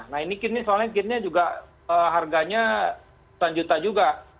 nah ini soalnya kitnya juga harganya setan juta juga